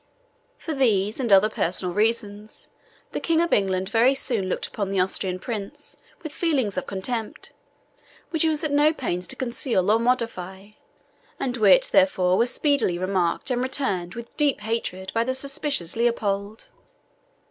For these, and other personal reasons, the King of England very soon looked upon the Austrian Prince with feelings of contempt, which he was at no pains to conceal or modify, and which, therefore, were speedily remarked, and returned with deep hatred, by the suspicious Leopold.